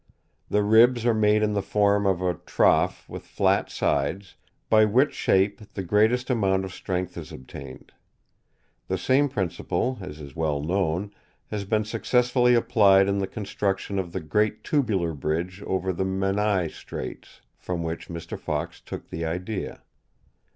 The ribs are made in the form of a trough with flat sides, by which shape the greatest amount of strength is obtained. The same principle, as is well known, has been successfully applied in the construction of the Great Tubular Bridge over the Menai Straits, from which Mr. Fox took the idea.